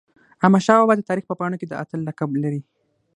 احمدشاه بابا د تاریخ په پاڼو کي د اتل لقب لري.